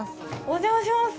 お邪魔します。